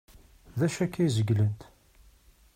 D acu akka ay zeglent?